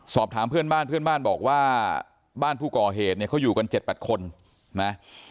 สอบถามเพื่อนบ้านเพื่อนบ้านบอกว่าบ้านผู้ก่อเหตุเนี่ยเขาอยู่กัน๗๘คนนะ